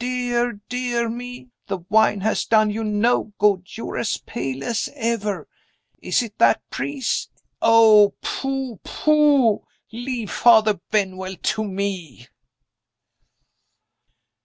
Dear, dear me, the wine has done you no good; you're as pale as ever. Is it that priest? Oh, pooh, pooh, leave Father Benwell to me."